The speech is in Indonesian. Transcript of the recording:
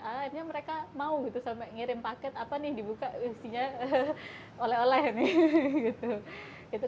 akhirnya mereka mau gitu sampai ngirim paket apa nih dibuka isinya oleh oleh nih gitu